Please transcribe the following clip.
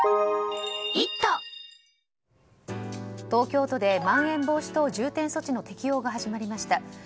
東京都でまん延防止等重点措置の適用が始まりました。